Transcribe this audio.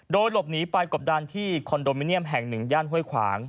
โดยหลบหนีไปกบดันที่คอนโดมิเนียมแห่งหนึ่งย่านห้วยขวาง